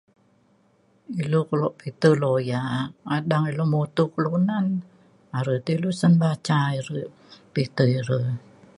ilu kelo pita lawyer adang ilu mutu kelunan are te ilu sen baca ire pita ire.